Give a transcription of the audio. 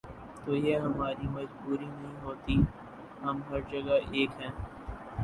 تو یہ ہماری مجبوری نہیں ہوتی، ہم ہر جگہ ایک ہیں۔